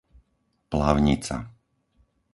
Plavnica